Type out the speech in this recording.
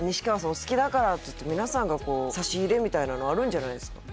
お好きだからっていって皆さんがこう差し入れみたいなのあるんじゃないですか？